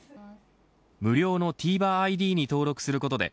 無料のＴＶｅｒＩＤに登録することで